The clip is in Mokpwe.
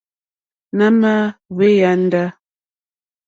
Nà mà hwé yāndá.